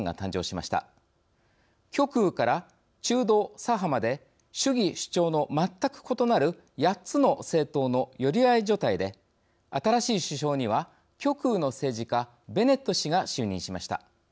極右から中道左派まで主義主張の全く異なる８つの政党の寄り合い所帯で新しい首相には極右の政治家ベネット氏が就任しました。